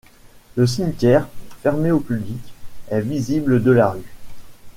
Le cimetière, fermé au public, est visible de la rue.